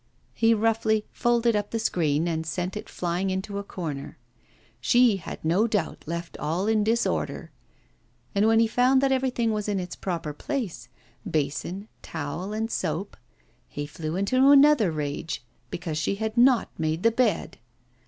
He roughly folded up the screen and sent it flying into a corner. She had no doubt left all in disorder. And when he found that everything was in its proper place basin, towel, and soap he flew into a rage because she had not made the bed.